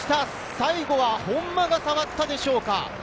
最後は本間が触ったでしょうか。